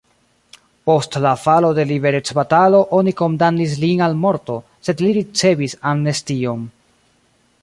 Post la falo de liberecbatalo oni kondamnis lin al morto, sed li ricevis amnestion.